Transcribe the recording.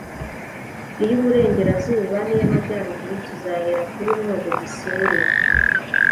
iy’Uburengerazuba n’iy’Amajyaruguru. Tuzahera kuri Mwogo, dusure